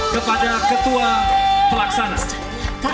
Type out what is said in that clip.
kepada ketua pelaksanaan